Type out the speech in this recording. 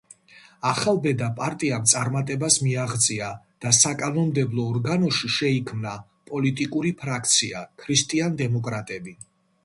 ახალბედა პარტიამ წარმატებას მიაღწია და საკანონმდებლო ორგანოში შეიქმნა პოლიტიკური ფრაქცია „ქრისტიან-დემოკრატები“.